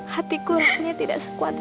hatiku rasanya tidak sekuat ini